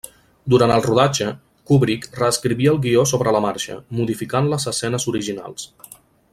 Durant el rodatge, Kubrick reescrivia el guió sobre la marxa, modificant les escenes originals.